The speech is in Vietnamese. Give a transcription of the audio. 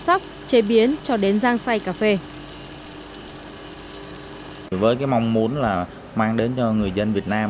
sóc chế biến cho đến rang xay cà phê với mong muốn mang đến cho người dân việt nam